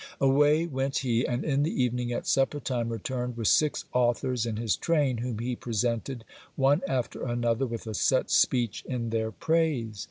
Away went he { and in the evening, at supper time, returned with six authors in his train, whom he presented one after another with a set speech in their praise.